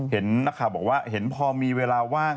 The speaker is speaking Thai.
เห็นนักข่าวบอกว่าเห็นพอมีเวลาว่าง